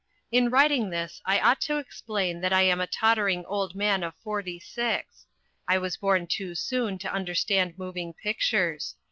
In writing this I ought to explain that I am a tottering old man of forty six. I was born too soon to understand moving pictures.